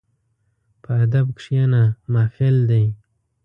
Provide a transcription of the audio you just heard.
په ادب کښېنه، محفل دی.